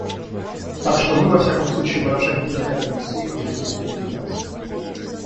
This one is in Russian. Так что мы, во всяком случае, выражаем признательность всей колумбийской делегации.